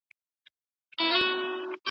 ژبه د نوې نړۍ معيارونو ته اړتیا لري.